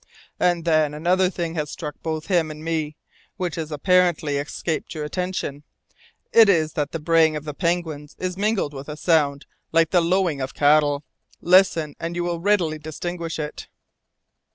"And then another thing has struck both him and me, which has apparently escaped your attention. It is that the braying of the penguins is mingled with a sound like the lowing of cattle. Listen and you will readily distinguish it."